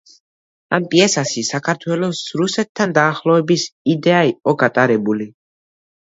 ამ პიესაში საქართველოს რუსეთთან დაახლოების იდეა იყო გატარებული.